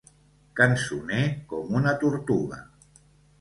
Cançoner com una tortuga.